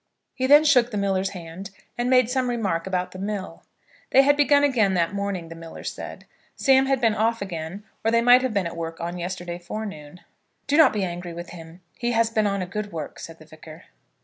He then shook the miller's hand, and made some remark about the mill. They had begun again that morning, the miller said. Sam had been off again, or they might have been at work on yesterday forenoon. "Do not be angry with him; he has been on a good work," said the Vicar.